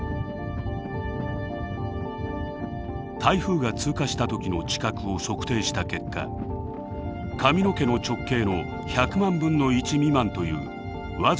台風が通過した時の地殻を測定した結果髪の毛の直径の１００万分の１未満という僅かなひずみを感知したのです。